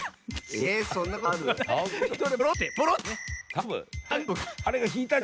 えそんなことある？